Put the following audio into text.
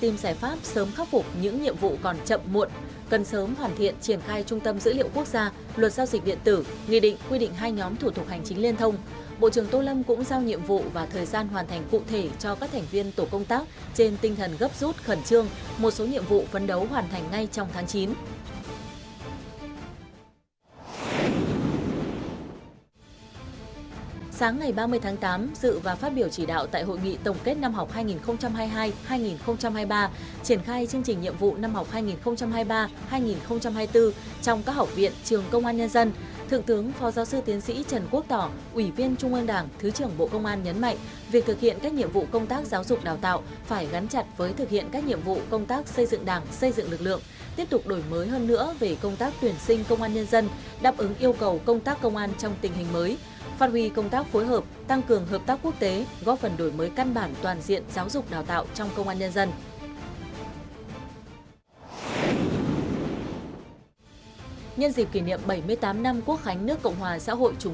một số nhiệm vụ vấn đấu hoàn thành ngay trong tháng chín